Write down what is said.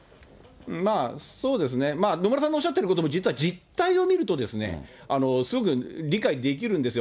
まあ、そうですね、野村さんのおっしゃってることも実は実態を見ると、すごく理解できるんですよ。